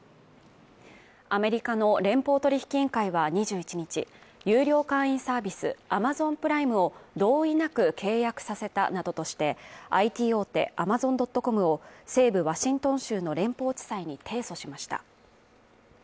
アメリカの連邦取引委員会は２１日、有料会員サービスアマゾンプライムを同意なく契約させたなどとして、ＩＴ大手アマゾン・ドット・コムを西部ワシントン州の連邦地裁に提訴しました。